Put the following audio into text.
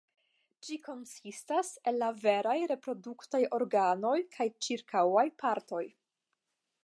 Ĝi konsistas el la veraj reproduktaj organoj kaj ĉirkaŭaj partoj.